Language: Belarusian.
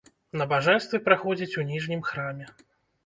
Набажэнствы праходзяць у ніжнім храме.